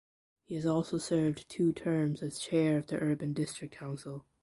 He also served two terms as chair of the Urban District Council.